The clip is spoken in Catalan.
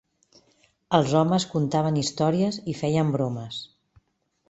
Els homes contaven històries i feien bromes.